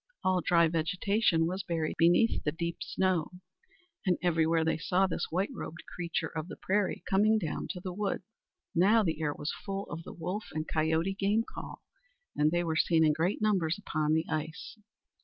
All dry vegetation was buried beneath the deep snow, and everywhere they saw this white robed creature of the prairie coming down to the woods. Now the air was full of the wolf and coyote game call, and they were seen in great numbers upon the ice.